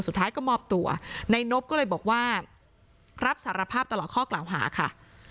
สุดท้ายก็มอบตัวในนบก็เลยบอกว่ารับสารภาพตลอดข้อกล่าวหาค่ะ